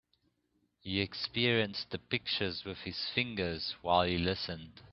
He experienced the pictures with his fingers while he listened.